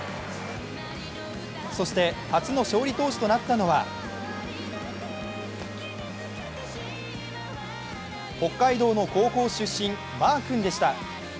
そして初の勝利投手となったのは北海道の高校出身、マー君でした。